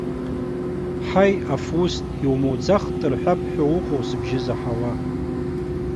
Ҳаи, аф уст, иумуӡахт рҳәап ҳәа уҟоу сыбжьы заҳауа.